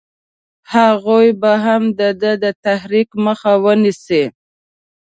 هغوی به هم د ده د تحریک مخه ونه نیسي.